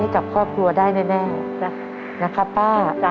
กับครอบครัวได้แน่นะครับป้า